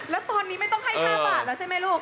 แล้วตอนนี้ไม่ต้องให้๕บาทแล้วใช่ไหมลูก